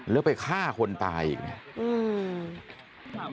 แล้วไปฆ่าคนตายอีก